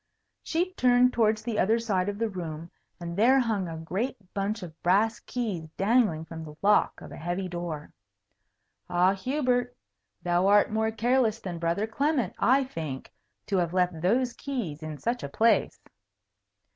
She turned towards the other side of the room, and there hung a great bunch of brass keys dangling from the lock of a heavy door. Ah, Hubert! thou art more careless than Brother Clement, I think, to have left those keys in such a place!